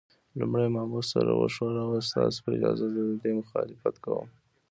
لومړي مامور سر وښوراوه: ستاسو په اجازه، زه د دې مخالفت کوم.